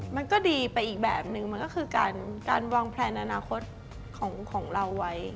มันก็ดีไปอีกแบบนึงมันก็คือการวางแพลนอนาคตของเราไว้